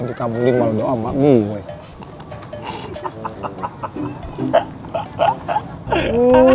ini kamu ini malah berdoa sama allah boy